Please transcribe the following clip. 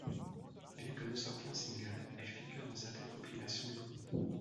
Bien que non sorti en single, elle figure dans certaines compilations du groupe.